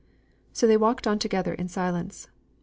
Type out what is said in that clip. So they walked on together in silence.